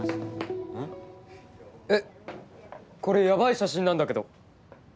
えっこれやばい写真なんだけど。